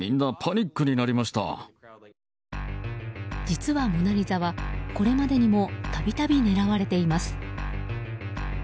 実は「モナリザ」はこれまでにも度々狙われています。